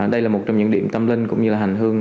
đây là một trong những điểm tâm linh cũng như là hành hương